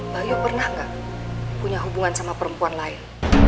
bayo pernah gak punya hubungan sama perempuan lain